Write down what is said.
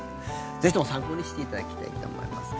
ぜひとも参考にしていただきたいと思います。